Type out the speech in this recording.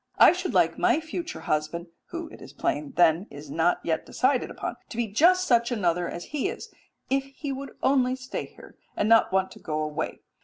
I should like my future husband [who, it is plain, then, is not yet decided upon] to be just such another as he is, if he would only stay here, and not want to go away.